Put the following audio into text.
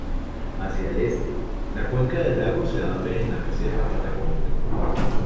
Hacia el este, la cuenca del lago se abre en la meseta patagónica.